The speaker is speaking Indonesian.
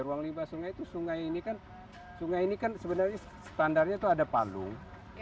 ruang limbah sungai itu sungai ini kan sungai ini kan sebenarnya standarnya itu ada palung